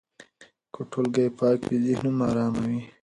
که ټولګی پاک وي، ذهن هم ارام وي.